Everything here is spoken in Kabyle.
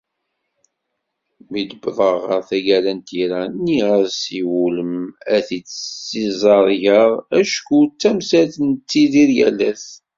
Mi wwḍeɣ ɣer taggara n tira, nniɣ-as iwulem ad t-id-ssiẓergeɣ acku d tamsalt i nettidir yal ass.